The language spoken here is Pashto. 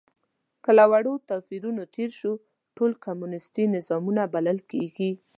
که له وړو توپیرونو تېر شو، ټول کمونیستي نظامونه بلل کېږي.